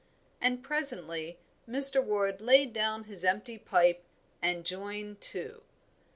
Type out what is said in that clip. And presently Mr. Ward laid down his empty pipe and joined too.